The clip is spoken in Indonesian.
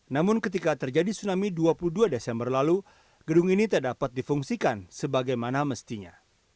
namun ketika terjadi tsunami dua puluh dua desember lalu gedung ini tak dapat difungsikan sebagaimana mestinya